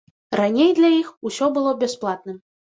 Раней для іх усё было бясплатным.